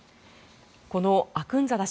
このアクンザダ師